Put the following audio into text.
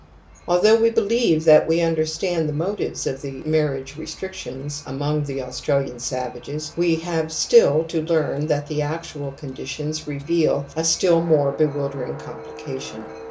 Although we believe we understand the motives of the marriage restrictions among the Australian savages, we have still to learn that the actual conditions reveal a still more be wildering complication.